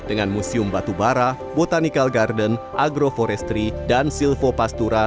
dengan museum batubara botanical garden agroforestry dan silvopastura